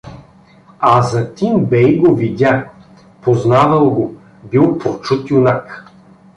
Азатин бей го видя, познавал го, бил прочут юнак.